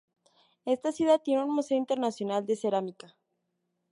Esta ciudad tiene un Museo Internacional de Cerámica.